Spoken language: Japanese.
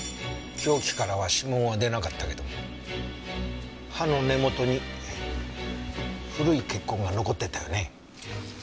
凶器からは指紋は出なかったけど刃の根元に古い血痕が残ってたよね？